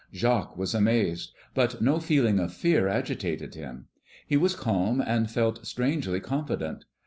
Jacques was amazed, but no feeling of fear agitated him. He was calm and felt strangely confident.